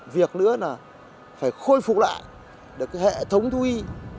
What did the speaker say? việc nữa là phải khôi phục lại được hệ thống thu y